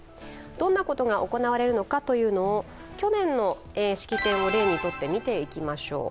どんなことが行われるのかというのを去年の式典を例にとって見ていきましょう。